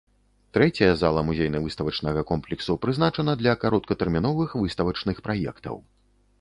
Трэцяя зала музейна-выставачнага комплексу прызначана для кароткатэрміновых выставачных праектаў.